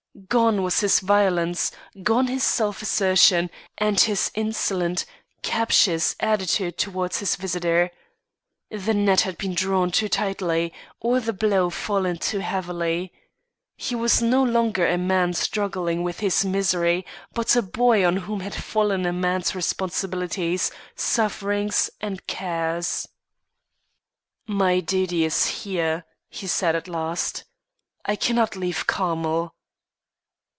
Gone was his violence, gone his self assertion, and his insolent, captious attitude towards his visitor. The net had been drawn too tightly, or the blow fallen too heavily. He was no longer a man struggling with his misery, but a boy on whom had fallen a man's responsibilities, sufferings, and cares. "My duty is here," he said at last. "I cannot leave Carmel."